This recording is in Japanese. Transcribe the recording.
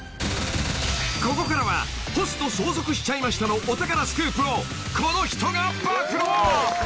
［ここからは『ホスト相続しちゃいました』のお宝スクープをこの人が暴露］